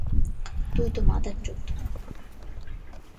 তুই তো মাদারচোদ।